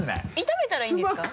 炒めたらいいんですか？